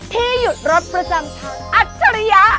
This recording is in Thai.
ที่หยุดรถประจำทางอัจฉริยะ